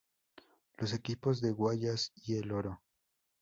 Los equipos de Guayas y El Oro.